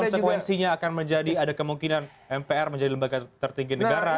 bahwa kemudian nanti konsekuensinya akan menjadi ada kemungkinan mpr menjadi lembaga tertinggi negara